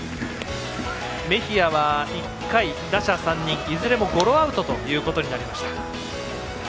メヒアは１回、打者３人いずれもゴロアウトということになりました。